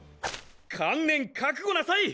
観念覚悟なさい！